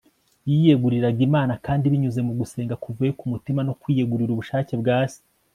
yiyeguriraga imana, kandi binyuze mu gusenga kuvuye ku mutima, no kwiyegurira ubushake bwa se